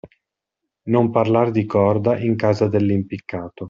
Non parlar di corda in casa dell'impiccato.